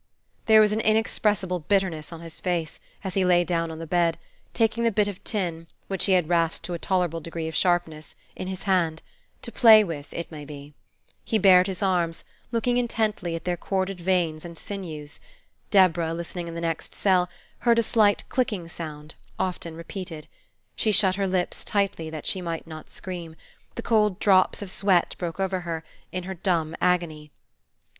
There was an inexpressible bitterness on his face, as he lay down on the bed, taking the bit of tin, which he had rasped to a tolerable degree of sharpness, in his hand, to play with, it may be. He bared his arms, looking intently at their corded veins and sinews. Deborah, listening in the next cell, heard a slight clicking sound, often repeated. She shut her lips tightly, that she might not scream; the cold drops of sweat broke over her, in her dumb agony.